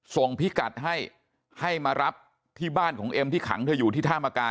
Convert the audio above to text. พิกัดให้ให้มารับที่บ้านของเอ็มที่ขังเธออยู่ที่ท่ามกา